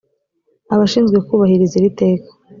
abashinzwe kubahiriza iri teka